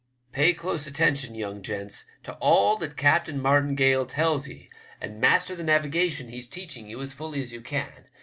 Pay close attention, young gents, to all that Captain Martin Gale tells ye, and master the WEEVWS LECTURE. 179 navigation he's teaching you as fally as you can.